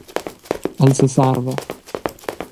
El sesarva.